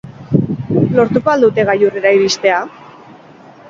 Lortuko al dute gailurrera iristea?